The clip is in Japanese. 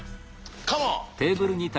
カモン！